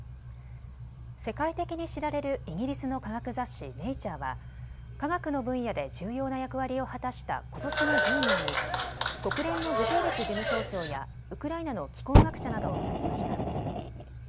世界的に知られるイギリスの科学雑誌、ネイチャーは科学の分野で重要な役割を果たしたことしの１０人に国連のグテーレス事務総長やウクライナの気候学者などを選びました。